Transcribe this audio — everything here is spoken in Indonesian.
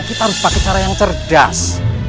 kita harus pakai cara yang cerdas